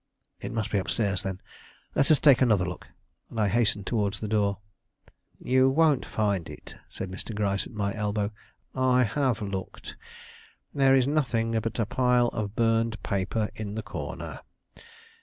"It must be up stairs, then. Let us take another look." and I hastened towards the door. "You won't find it," said Mr. Gryce at my elbow. "I have looked. There is nothing but a pile of burned paper in the corner.